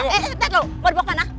eh eh eh eh eh lo mau dibawa ke mana